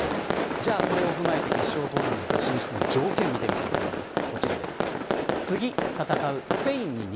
じゃあ、これを踏まえて決勝トーナメント進出の条件を見てみたいと思います。